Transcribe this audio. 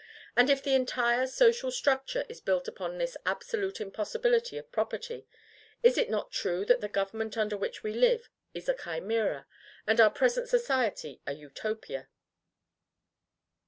And if the entire social structure is built upon this absolute impossibility of property, is it not true that the government under which we live is a chimera, and our present society a utopia?